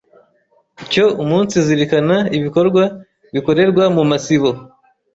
cyo umunsizirikana ibikorwa bikorerwa mu masibo.